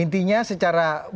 jadi ini adalah bahwa